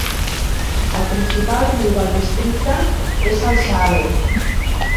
El principal riu del districte és el Saale.